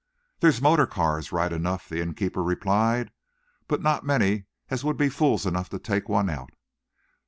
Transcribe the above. "There's motor cars, right enough," the innkeeper replied, "but not many as would be fools enough to take one out.